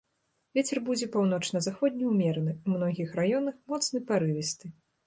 Вецер будзе паўночна-заходні ўмераны, у многіх раёнах моцны парывісты.